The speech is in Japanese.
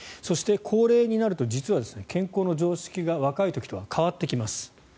高齢になると健康の常識が若い時と変わってきます。